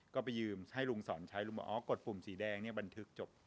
ก็ไปยืมให้ลุงสอนใช้ลุงบอกอ๋อกดปุ่มสีแดงเนี่ยบันทึกจบ